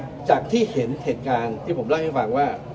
หลังจากที่เห็นเหตุการณ์ที่ผมเล่าให้ฟังว่า